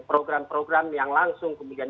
program program yang langsung kemudian